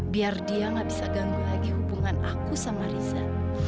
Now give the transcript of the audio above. biar dia gak bisa ganggu lagi hubungan aku sama lisa